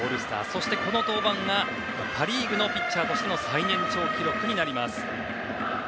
そして、この登板がパ・リーグのピッチャーとしての最年長記録になります。